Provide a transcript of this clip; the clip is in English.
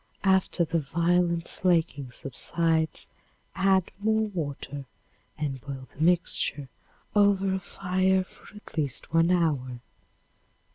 After the violent slaking subsides add more water and boil the mixture over a fire for at least one hour.